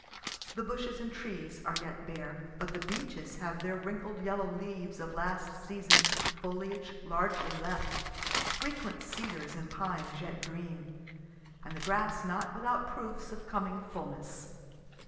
The bushes and trees are yet bare, but the beeches have their wrinkled yellow leaves of last season's foliage largely left, frequent cedars and pines yet green, and the grass not without proofs of coming fullness.